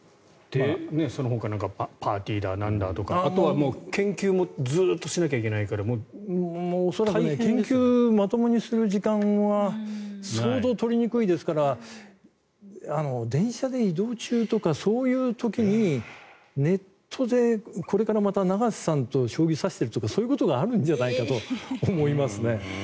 そのほかパーティーだなんだとかあとは研究もずっとしなきゃいけないから恐らく研究まともにする時間は相当取りにくいですから電車で移動中とかそういう時にネットでこれからまた永瀬さんと将棋を指しているとかそういうことがあるんじゃないかと思うんですね。